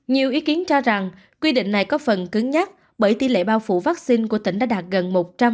nhiều ý kiến cho rằng quy định này có phần cứng nhắc bởi tỷ lệ bao phủ vaccine của tỉnh đã đạt gần một trăm linh